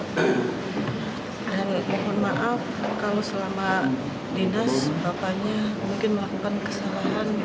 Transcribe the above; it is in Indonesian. mohon maaf kalau selama dinas bapaknya mungkin melakukan kesalahan